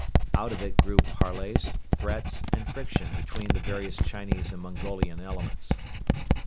Out of it grew parleys, threats and friction between the various Chinese and Mongolian elements.